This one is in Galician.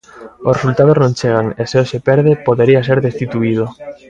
Os resultados non chegan e se hoxe perde, podería ser destituído.